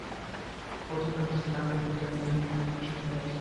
প্রথম প্যাকেজটি গ্রাহকেরা দুই টাকা দিয়ে দুদিনের জন্য সক্রিয় করতে পারবেন।